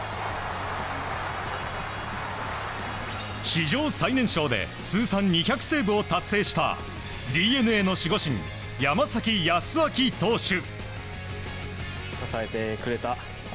史上最年少で通算２００セーブを達成したＤｅＮＡの守護神・山崎康晃投手。